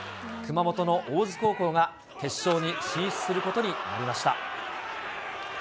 熊本の大津高校が決勝に進出することになりました。